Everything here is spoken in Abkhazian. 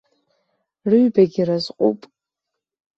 Рыҩбагьы разҟуп.